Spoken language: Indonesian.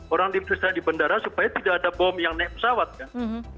orang diperiksa di bandara supaya tidak ada bom yang naik pesawat kan